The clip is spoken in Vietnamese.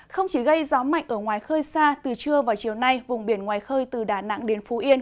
không chỉ gây gió mạnh ở ngoài khơi xa từ trưa vào chiều nay vùng biển ngoài khơi từ đà nẵng đến phú yên